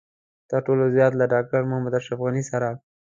تر ټولو زيات له ډاکټر محمد اشرف غني سره.